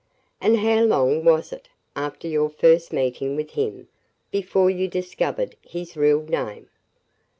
"And how long was it, after your first meeting with him, before you discovered his real name?"